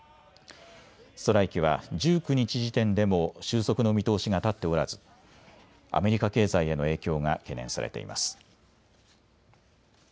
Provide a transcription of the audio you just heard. ストライキは１９日時点でも収束の見通しが立っておらずアメリカ経済への影響が懸念されています。